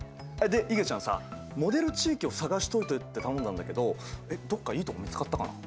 でいげちゃんさモデル地域を探しておいてって頼んだんだけどどっかいいとこ見つかったかな？